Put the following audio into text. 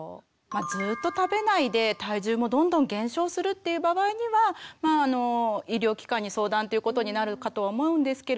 ずっと食べないで体重もどんどん減少するっていう場合にはまああの医療機関に相談っていうことになるかとは思うんですけれども。